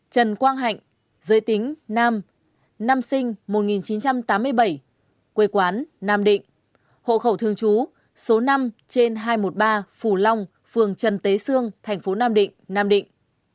trần quang hạnh giới tính nam năm sinh một nghìn chín trăm tám mươi bảy quê quán nam định hộ khẩu thương chú số năm trên hai trăm một mươi ba phù long phường trần tế sương thành phố nam định nam định